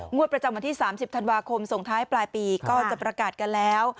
ประจำวันที่๓๐ธันวาคมส่งท้ายปลายปีก็จะประกาศกันแล้ว